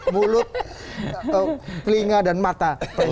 mulut telinga dan mata